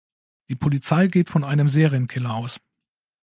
Die Polizei geht von einem Serienkiller aus.